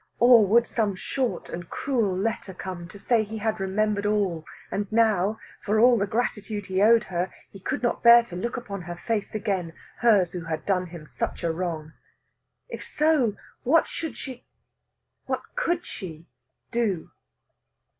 Or would some short and cruel letter come to say he had remembered all, and now for all the gratitude he owed her he could not bear to look upon her face again, hers who had done him such a wrong! If so, what should she what could she do?